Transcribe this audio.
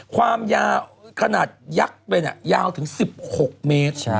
ความยาวขนาดยักษ์เลยนะยาวถึง๑๖เมตร